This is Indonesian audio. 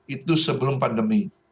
itu sebelum pandemi